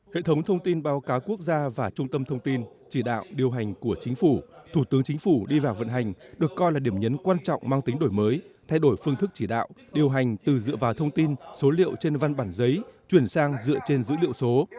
hệ thống thông tin báo cáo quốc gia và trung tâm thông tin chỉ đạo điều hành của chính phủ thủ tướng chính phủ đi vào vận hành được coi là điểm nhấn quan trọng mang tính đổi mới thay đổi phương thức chỉ đạo điều hành từ dựa vào thông tin số liệu trên văn bản giấy chuyển sang dựa trên dữ liệu số